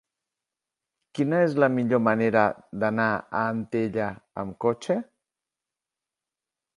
Quina és la millor manera d'anar a Antella amb cotxe?